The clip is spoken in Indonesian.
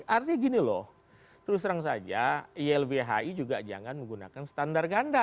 artinya gini loh terus terang saja ilbhi juga jangan menggunakan standar ganda